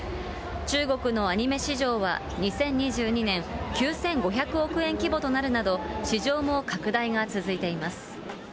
中国のアニメ市場は２０２２年、９５００億円規模となるなど、市場も拡大が続いています。